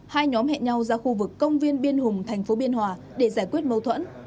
hai nhóm hẹn nhau ra khu vực công viên biên hùng thành phố biên hòa để giải quyết mâu thuẫn